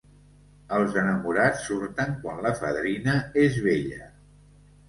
Els enamorats surten quan la fadrina és vella.